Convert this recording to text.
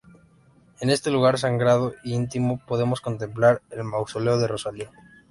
En este lugar sagrado y íntimo podemos contemplar el mausoleo de Rosalía.